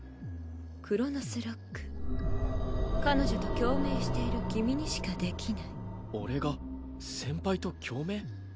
クロノスロック彼女と共鳴している君にしかできない俺が先輩と共鳴？